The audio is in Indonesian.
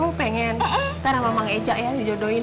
oh pengen nanti sama mama ngejak ya di jodohin